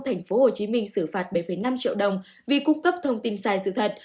tp hcm xử phạt bảy năm triệu đồng vì cung cấp thông tin sai sự thật